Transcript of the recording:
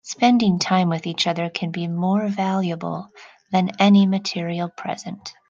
Spending time with each other can be more valuable than any material present.